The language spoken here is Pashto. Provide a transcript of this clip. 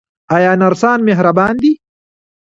آیا نرسان مهربان دي؟